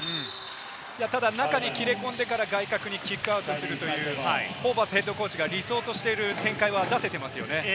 中に切れ込んでから外角にキックアウトするというホーバスＨＣが理想としている展開は出せていますよね。